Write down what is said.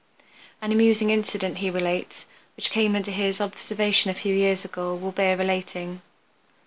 An amusing incident, he relates, which came under his observation a few years ago will bear relating.